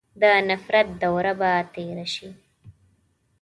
د نفرت دوره به تېره سي.